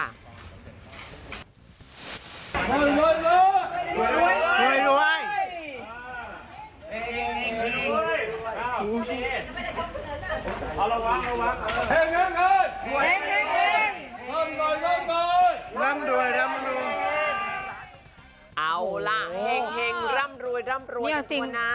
เอาล่ะเฮ่งร่ำรวยจริงนะ